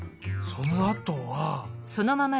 そのあとは。